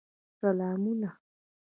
سلامونه.